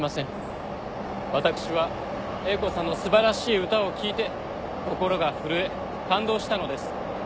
私は英子さんの素晴らしい歌を聴いて心が震え感動したのです。